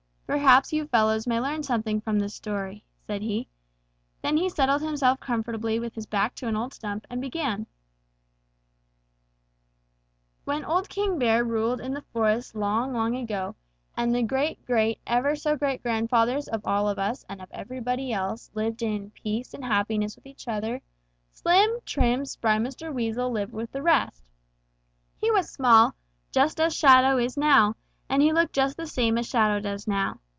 Perhaps you fellows may learn something from the story," said he. Then he settled himself comfortably with his back to an old stump and began. [Illustration: "One day Mr. Rabbit surprised Mr. Weasel making a meal of young mice." Page 124.] "When old King Bear ruled in the forest long, long ago, and the great great ever so great grandfathers of all of us and of everybody else lived in peace and happiness with each other, slim, trim, spry Mr. Weasel lived with the rest. He was small, just as Shadow is now, and he looked just the same as Shadow does now.